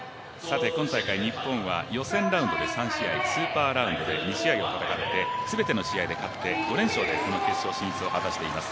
今大会、日本は予選ラウンドで３試合スーパーラウンドで２試合を戦って全ての試合で勝って５連勝でこの決勝進出を果たしています。